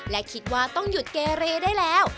และคิดว่าต้องหยุดเกเรได้แล้ว